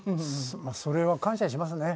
まあそれは感謝しますね。